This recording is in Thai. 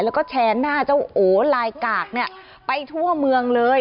แล้วก็แชร์หน้าเจ้าโอลายกากเนี่ยไปทั่วเมืองเลย